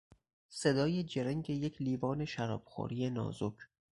صدای جرنگ یک لیوان شراب خوری نازک